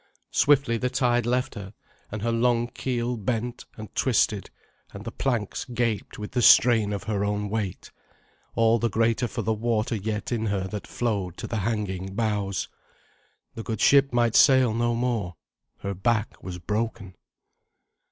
Swiftly the tide left her, and her long keel bent and twisted, and her planks gaped with the strain of her own weight, all the greater for the water yet in her that flowed to the hanging bows. The good ship might sail no more. Her back was broken.